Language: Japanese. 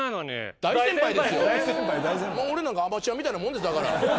俺なんかアマチュアみたいなもんですだから。